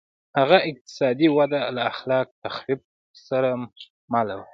هغه اقتصادي وده له خلاق تخریب سره مله وه.